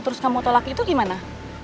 terus kamu tolak itu gimana